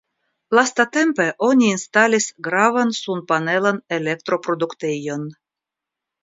Lastatempe oni instalis gravan sunpanelan elektroproduktejon.